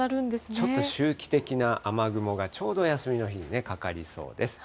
ちょっと周期的な雨雲がちょうどお休みの日にかかりそうです。